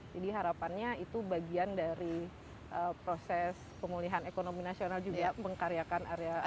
jadi harapannya itu bagian dari proses pengulihan ekonomi nasional juga mengkaryakan area apa